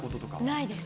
ないです。